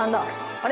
あれ？